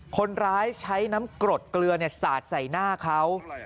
คนร้ายใช้น้ำกรดเกลือสาดใส่หน้าเขา